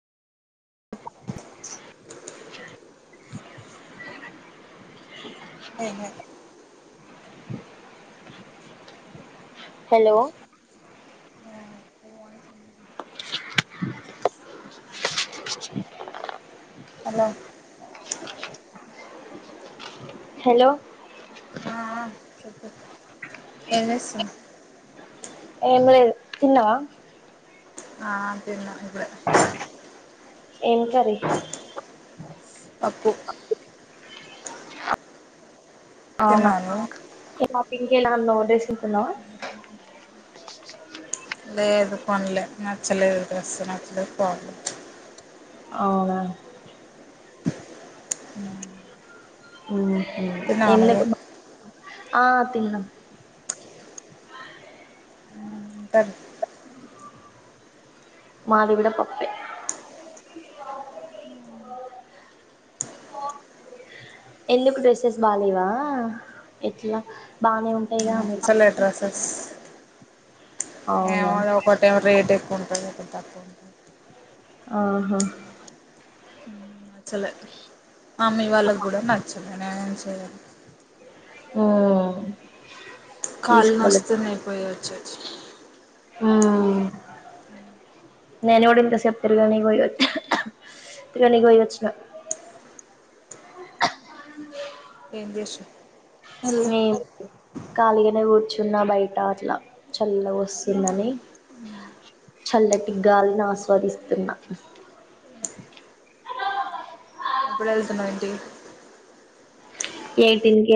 hello hello మీ voice ఇనిపి hello hello ఏంచేస్తున ఏం లేదు తిన్నవా ఆ తిన్న ఇపుడే ఏం కర్రీ పప్పు తిన్నావా నువ్వు ఇంకెలా ఉన్నావు డెసులుకొన్న లేదు ఫన్లే నచ్చలేదు డ్రెస్ నచ్చలేదు ఫోన్ ఆ ఊహు తిన్నావా ఎందు నువ్వు ఆ తిన్నం ఉన్టన్ మాది గుడ పప్పే ఎందుకు డెస్సెస్ బాలేవా ఎట్లా బానే ఉం నచ్చలే డ్రస్సెస్ అవునా ఏమో ఒకటి రేట్ ఎక్కువ ఉంటది ఒకటి తక్కువ ఉంటది ఆహా నచ్చలే మమ్మీ వాళ్ళకు గుడా నచ్చలే నేనేేం చేయాలి ఉమ్ కాళ్ళు తీసుకోలే నుస్తూనాయి పోయచచ్చి నేను కూడా ఇంత సెపు తిరగని పోయి వచ్చ తిరగనికి పొయి వచ్చిన ఏం చేష్న అ ఖాళీగానే కూర్చున్న బయట అట్లా చల్ల వస్తుందని చల్లటి గాలిని ఆస్వాదిస్తున్నా ఎప్పుడెళ్తున్నాంటి ఏంటింగే